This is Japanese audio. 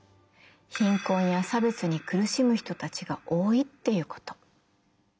貧困や差別に苦しむ人たちが多いっていうこと。